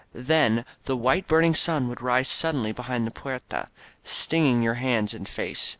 Then the white, burning sun would rise suddenly behind the Puerta, stinging your hands and face.